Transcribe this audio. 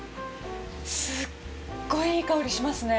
すごいいい香りしますね。